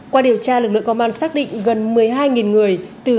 qua điều tra lực lượng công an xác định gần một mươi hai người từ